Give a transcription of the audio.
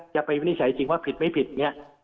วินิจฉัยจริงว่าผิดไม่ผิดเนี่ย